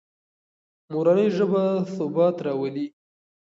مورنۍ ژبه ثبات راولي.